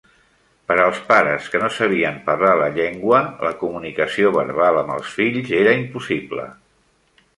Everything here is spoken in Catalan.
Per als pares que no sabien parlar la llengua, la comunicació verbal amb els fills era impossible.